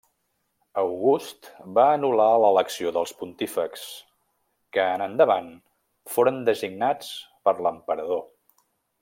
August va anul·lar l'elecció dels pontífexs, que en endavant foren designats per l'emperador.